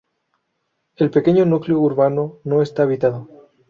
El pequeño núcleo urbano no está habitado.